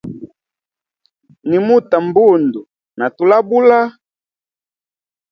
Nimuta mbundu na tulabula.